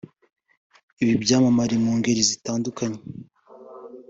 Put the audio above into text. Ibi byamamare mu ngeri zitandukanye